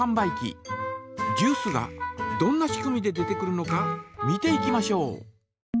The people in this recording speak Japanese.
ジュースがどんな仕組みで出てくるのか見ていきましょう。